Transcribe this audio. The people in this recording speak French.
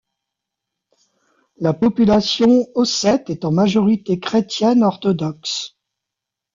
La population ossète est en majorité chrétienne orthodoxe.